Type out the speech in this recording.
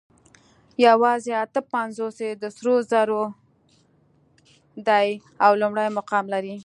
یواځې اته پنځوس یې د سرو زرو دي او لومړی مقام لري